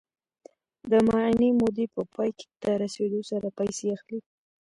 د معینې مودې په پای ته رسېدو سره پیسې اخلي